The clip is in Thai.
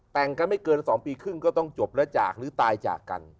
แต่งกันไม่เกิน๒ปีครึ่งก็ต้องจบแล้วจากหรือตายจากกัน